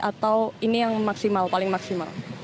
atau ini yang maksimal paling maksimal